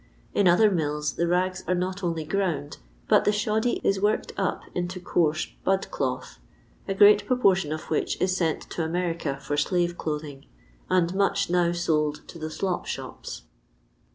" In other mills the rags are not only ground, but the shoddy is worked up into coarse kid cloth, a great proportion of which is sent to America for slave clothing (and much now sold to the slop shops).